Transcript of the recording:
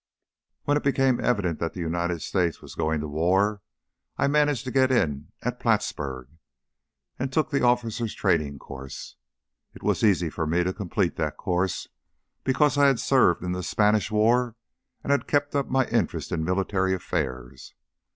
"When it became evident that the United States was going to war, I managed to get in at Plattsburg and took the officers' training course. It was easy for me to complete that course, because I had served in the Spanish War and had kept up my interest in military affairs.